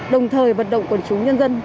đồng thời vận động quần chúng nhân dân